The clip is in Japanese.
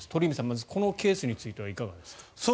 まずこのケースについていかがですか。